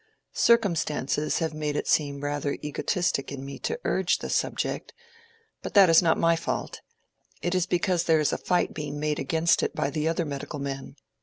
Circumstances have made it seem rather egotistic in me to urge the subject; but that is not my fault: it is because there is a fight being made against it by the other medical men.